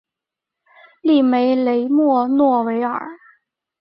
利梅雷默诺维尔。